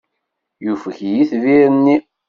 Yufeg yitbir-nni.